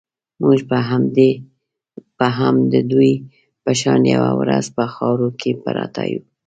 موږ به هم د دوی په شان یوه ورځ په خاورو کې پراته یو.